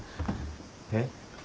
えっ？